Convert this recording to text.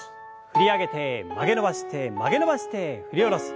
振り上げて曲げ伸ばして曲げ伸ばして振り下ろす。